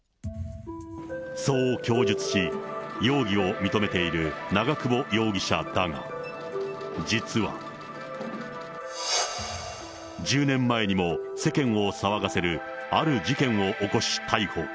そう供述し、容疑を認めている長久保容疑者だが、実は、１０年前にも世間を騒がせるある事件を起こし逮捕。